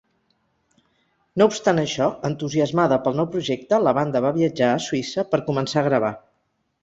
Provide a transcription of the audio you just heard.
No obstant això, entusiasmada pel nou projecte, la banda va viatjar a Suïssa per començar a gravar.